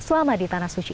selamat di tanah suci